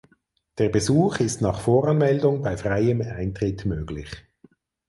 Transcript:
Der Besuch ist nach Voranmeldung bei freiem Eintritt möglich.